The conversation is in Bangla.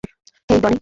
হেই, ডনি।